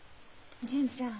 純ちゃん。